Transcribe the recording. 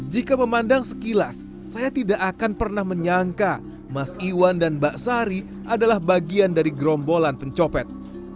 jika memandang sekilas saya tidak akan pernah menyangka mas iwan dan mbak sari adalah bagian dari gerombolan pencopet